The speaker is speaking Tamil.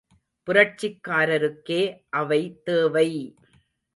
புரட்சிக்காரருக்கே அவை தேவை!